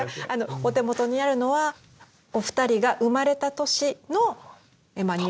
お手元にあるのはお二人が生まれた年の匂い袋。